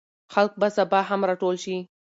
خلک به سبا هم راټول شي.